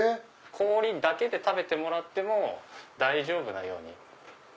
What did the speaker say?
氷だけで食べてもらっても大丈夫なように。